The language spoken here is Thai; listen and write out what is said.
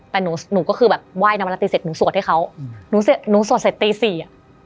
แต่หนูก็คือว่ายนวรตีเสร็จหนูสวดให้เขาหนูสวดเสร็จตี๔